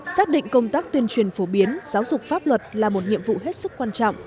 xác định công tác tuyên truyền phổ biến giáo dục pháp luật là một nhiệm vụ hết sức quan trọng